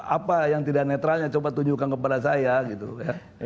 apa yang tidak netralnya coba tunjukkan kepada saya gitu ya